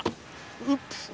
ウップス！